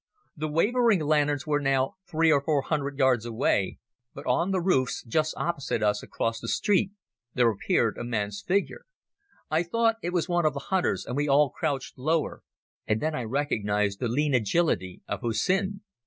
The wavering lanterns were now three or four hundred yards away, but on the roofs just opposite us across the street there appeared a man's figure. I thought it was one of the hunters, and we all crouched lower, and then I recognized the lean agility of Hussin.